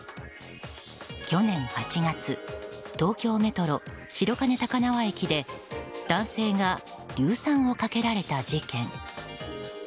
去年８月東京メトロ白金高輪駅で男性が硫酸をかけられた事件。